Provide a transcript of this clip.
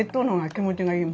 気持ちがいい？